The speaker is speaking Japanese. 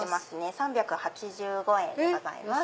３８５円でございます。